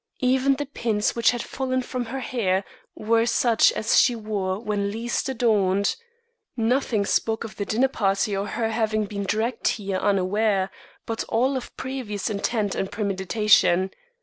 Even the pins which had fallen from her hair were such as she wore when least adorned. Nothing spoke of the dinner party or of her having been dragged here unaware; but all of previous intent and premeditation.